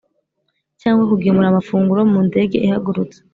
cyangwa kugemura amafunguro mu ndege ihagurutse